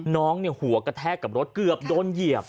น้องหัวกระแทกกับรถเกือบโดนเหยียบ